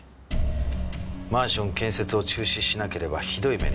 マンション建設を中止しなければひどい目に遭わせるとね。